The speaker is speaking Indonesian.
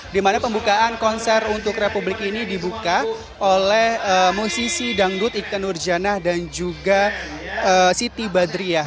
di mana pembukaan konser untuk republik ini dibuka oleh musisi dangdut ike nurjana dan juga siti badriah